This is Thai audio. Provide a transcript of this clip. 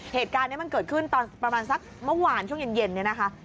เหตุการณ์นี้มันเกิดขึ้นตอนประมาณสักเมื่อวานช่วงเย็นเนี่ยนะคะ